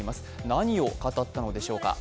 何を語ったのでしょうか。